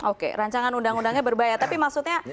oke rancangan undang undangnya berbayar tapi maksudnya